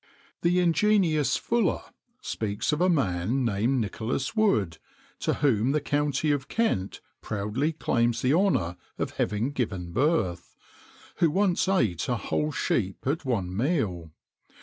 The ingenuous Fuller[XXIX 23] speaks of a man, named Nicholas Wood, to whom the county of Kent proudly claims the honour of having given birth, who once eat a whole sheep at one meal.